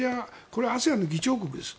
これはＡＳＥＡＮの議長国です。